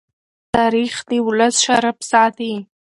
تاریخ د ولس شرف ساتي.